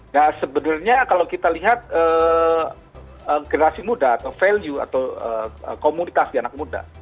nah sebenarnya kalau kita lihat generasi muda atau value atau komunitas di anak muda